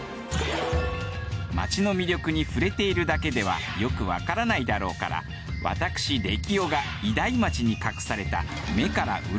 街の魅力に触れているだけではよくわからないだろうから私れきおが偉大街に隠された。